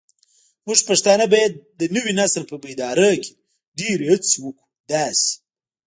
موږ پښتانه بايد د نوي نسل په بيداري کې ډيرې هڅې وکړو داسې